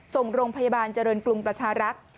ส่งโรงพยาบาลเจริญกรุงประชารักษ์